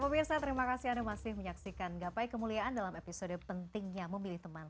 pemirsa terima kasih anda masih menyaksikan gapai kemuliaan dalam episode pentingnya memilih teman